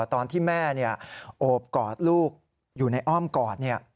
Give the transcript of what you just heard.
ตอนที่แม่โอบกอดลูกอยู่ในอ้อมกอด